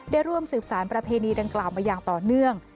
ได้ร่วมสืบสารประเพณีดังกล่าวมาอย่างต่อเนื่อง